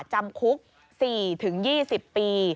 จำคุก๔๒๐ปี